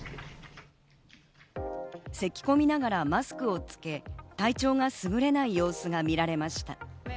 せき込みながらマスクをつけ、体調がすぐれない様子が見られました。